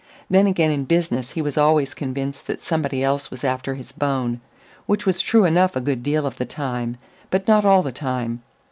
Then again in business he was always convinced that somebody else was after his bone which was true enough a good deal of the time; but not all the time.